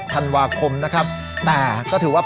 ธันวาคมนะครับแต่ก็ถือว่า